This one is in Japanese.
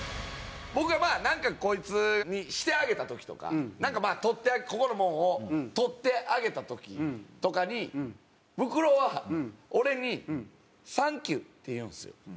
僕がまあなんかこいつにしてあげた時とかなんか取ってここのものを取ってあげた時とかにブクロは俺に「サンキュ」って言うんですよ。